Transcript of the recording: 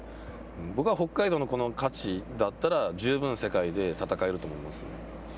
僕は北海道の価値だったら、十分世界で戦えると思いますね。